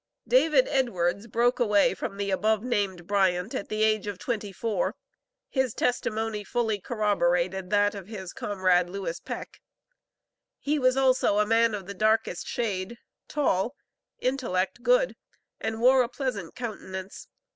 David Edwards broke away from the above named Bryant, at the age of twenty four. His testimony fully corroborated that of his comrade, Lewis Peck. He was also a man of the darkest shade, tall, intellect good, and wore a pleasant countenance.